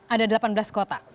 ada delapan belas kota